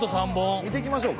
見てきましょうか？